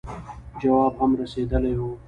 جواب هم رسېدلی وو.